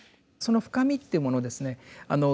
その深みっていうものをですね